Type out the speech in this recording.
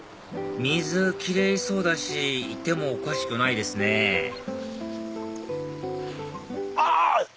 水キレイそうだしいてもおかしくないですねあっ！